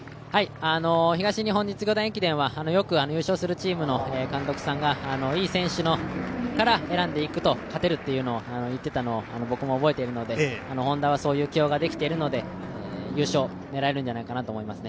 東日本実業団駅伝はよく優勝するチームの監督さんはいい選手から選んでいくと勝てると言っていたのを僕も覚えているので、Ｈｏｎｄａはそういう起用ができているので優勝を狙えるんじゃないかなと思いますね。